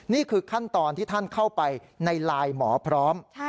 นี่คือขั้นตอนที่ท่านเข้าไปในไลน์หมอพร้อม